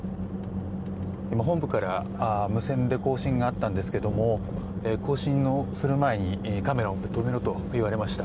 今、本部から無線で交信があったんですけれども交信する前にカメラを止めろと言われました。